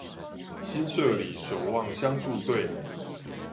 新社里守望相助隊